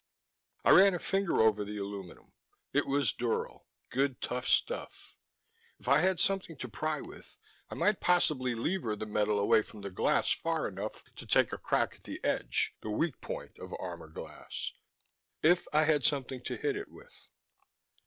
I ran a finger over the aluminum. It was dural: good tough stuff. If I had something to pry with, I might possibly lever the metal away from the glass far enough to take a crack at the edge, the weak point of armor glass ... if I had something to hit it with.